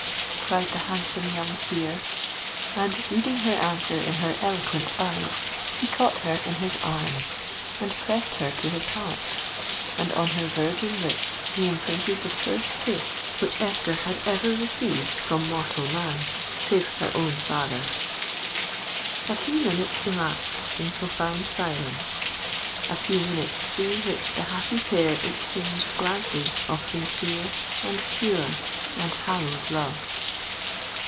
cried the handsome young peer; and, reading her answer in her eloquent eyes, he caught her in his arms—he pressed her to his heart—and on her virgin lips he imprinted the first kiss which Esther had ever received from mortal man save her own father. A few minutes elapsed in profound silence,—a few minutes, during which the happy pair exchanged glances of sincere, and pure, and hallowed love.